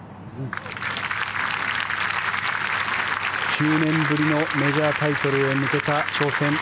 ９年ぶりのメジャータイトルへ向けた挑戦。